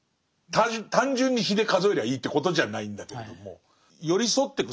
単純に日で数えりゃいいということじゃないんだけれども寄り添ってく